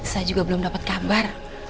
saya juga belum dapat kabar